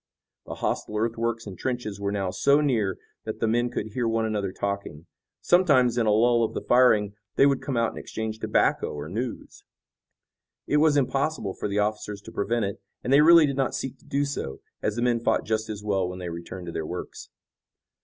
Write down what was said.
The hostile earthworks and trenches were now so near that the men could hear one another talking. Sometimes in a lull of the firing they would come out and exchange tobacco or news. It was impossible for the officers to prevent it, and they really did not seek to do so, as the men fought just as well when they returned to their works.